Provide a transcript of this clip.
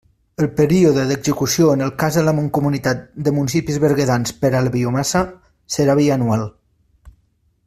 El període d'execució en el cas de la Mancomunitat de Municipis Berguedans per a la Biomassa, serà bianual.